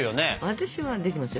私はできますよ